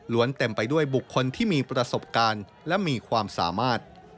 เต็มไปด้วยบุคคลที่มีประสบการณ์และมีความสามารถ